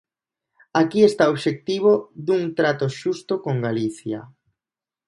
Aquí está o obxectivo dun trato xusto con Galicia.